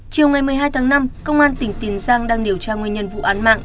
chiều ngày một mươi hai tháng năm công an tỉnh tiền giang đang điều tra nguyên nhân vụ án mạng